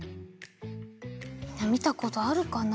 みんなみたことあるかな？